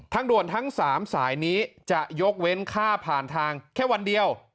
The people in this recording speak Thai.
ด่วนทั้ง๓สายนี้จะยกเว้นค่าผ่านทางแค่วันเดียว